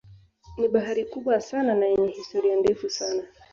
Ni bahari kubwa sana na yenye historia ndefu sana